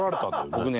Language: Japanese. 僕ね